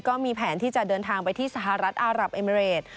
ก็มีแผนที่จะเดินทางไปที่สหรัฐอารับเอมิเรด